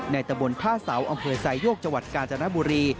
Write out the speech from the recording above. ตะบนท่าเสาอำเภอไซโยกจังหวัดกาญจนบุรี